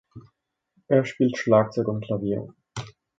Er spielt Schlagzeug und Klavier.